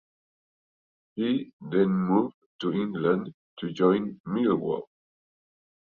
He then moved to England to join Millwall.